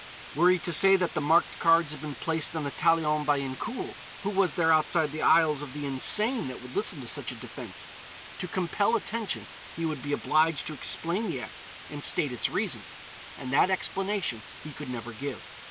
Were he to say that the marked cards had been placed on the talion by Incoul, who was there outside the aisles of the insane that would listen to such a defense? To compel attention, he would be obliged to explain the act, and state its reason. And that explanation he could never give.